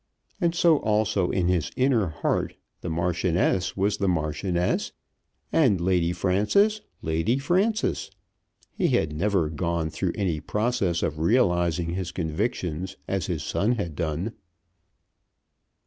And so also, in his inner heart, the Marchioness was the Marchioness, and Lady Frances Lady Frances. He had never gone through any process of realizing his convictions as his son had done.